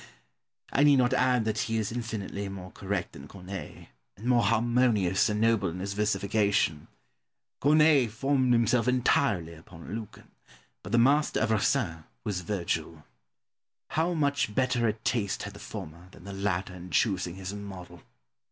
I need not add that he is infinitely more correct than Corneille, and more harmonious and noble in his versification. Corneille formed himself entirely upon Lucan, but the master of Racine was Virgil. How much better a taste had the former than the latter in choosing his model!